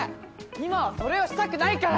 今はそれをしたくないから。